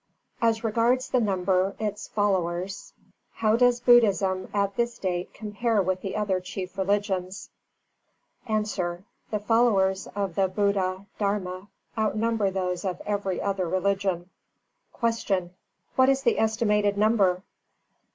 As regards the number its followers, how does Buddhism at this date compare with the other chief religions? A. The followers of the Buddha Dharma outnumber those of every other religion. 280. Q. _What is the estimated number?